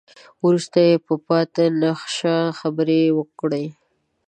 وروسته يې په پاتې نخشه خبرې وکړې.